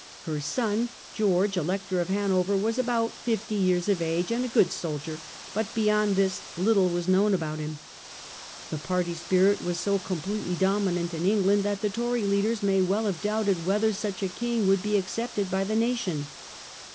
Her son George, Elector of Hanover, was about fifty years of age and a good soldier, but beyond this little was known about him. The party spirit was so completely dominant in England that the Tory leaders may well have doubted whether such a king would be accepted by the nation.